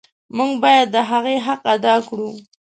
موږ باید د هغې حق ادا کړو.